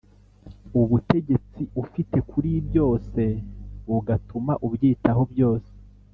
ubutegetsi ufite kuri byose bugatuma ubyitaho byose.